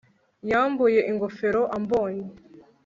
Yambuye ingofero ambonye